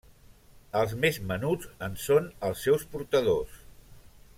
Els més menuts en són els seus portadors.